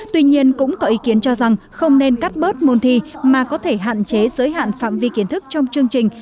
tuy nhiên cũng có ý kiến cho rằng không nên cắt bớt môn thi mà có thể hạn chế giới hạn phạm vi kiến thức trong chương trình